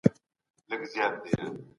څوک چي مطالعه لري په موقف کي توندي نه کوي.